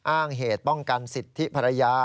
อ้างเหตุป้องกันสิทธิภรรยา